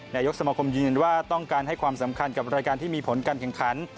นายกสมคมยืนยันว่าต้องการให้ความสำคัญกับรายการที่มีผลการแข่งขัน